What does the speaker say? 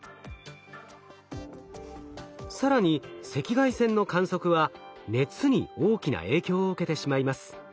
更に赤外線の観測は熱に大きな影響を受けてしまいます。